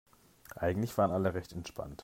Eigentlich waren alle recht entspannt.